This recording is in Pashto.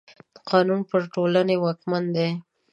قانون پر ټولني واکمن دی.